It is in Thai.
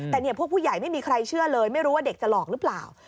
แต่พวกผู้ใหญ่ไม่มีใครเชื่อเลยไม่รู้ว่าเด็กจะหลอกหรือเปล่า